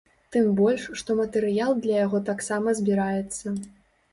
Тым больш, што матэрыял для яго таксама збіраецца.